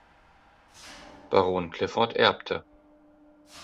Baron Clifford erbte.